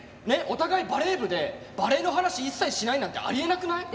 お互いバレー部でバレーの話一切しないなんてあり得なくない！？